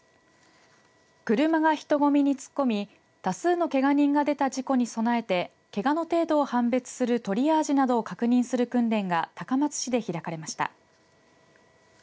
車が人混みに突っ込み多数のけが人が出た事故に備えてけがの程度を判別するトリアージなどを確認する訓練が高松市で開かれました。